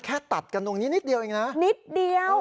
ตัดกันตรงนี้นิดเดียวเองนะนิดเดียว